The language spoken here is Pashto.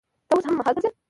ته اوس هم هلته ځې